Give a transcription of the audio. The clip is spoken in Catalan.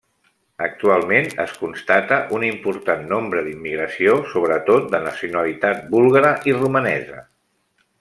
Actualment, es constata un important nombre d'immigració, sobretot de nacionalitat búlgara i romanesa.